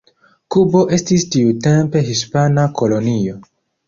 Kubo estis tiutempe hispana kolonio.